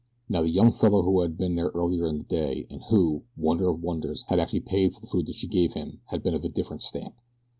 Now the young fellow who had been there earlier in the day and who, wonder of wonders, had actually paid for the food she gave him, had been of a different stamp.